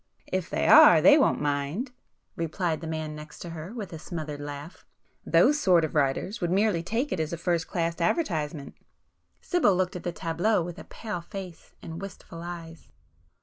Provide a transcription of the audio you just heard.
"If they are they won't mind!" replied the man next to her with a smothered laugh—"Those sort of writers would merely take it as a first class advertisement!" Sibyl looked at the tableau with a pale face and wistful eyes.